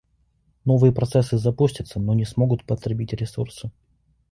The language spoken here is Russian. Новые процессы запустятся, но не смогут потребить ресурсы